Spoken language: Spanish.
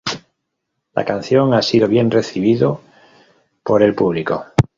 La canción ha sido bien recibido por el público.